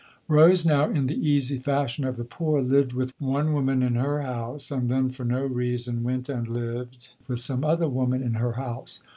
Rose now in the easy fashion of the poor lived with one woman in her house, and then for no reason went and lived with some other woman in her house.